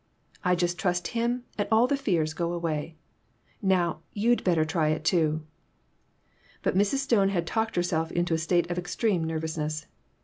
I just trust him, and all the fears go away. Now, you'd bet ter try it, too." But Mrs. Stone had talked herself into a state of extreme nervousness.